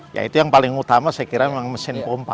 ya itu yang paling utama saya kira memang mesin pompa